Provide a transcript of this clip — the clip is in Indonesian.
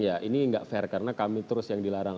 ya ini nggak fair karena kami terus yang dilarang